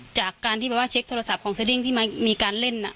จากการที่แบบว่าเช็คโทรศัพท์ของสดิ้งที่มีการเล่น